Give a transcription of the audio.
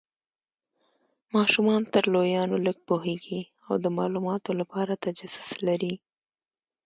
ماشومان تر لویانو لږ پوهیږي او د مالوماتو لپاره تجسس لري.